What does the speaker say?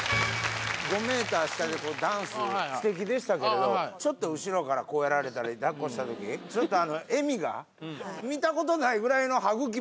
５メーター下でダンスすてきでしたけれどちょっと後ろからこうやられたり抱っこしたときちょっと笑みが。